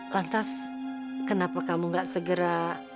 lantas kenapa kamu gak segera